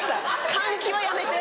換気はやめて。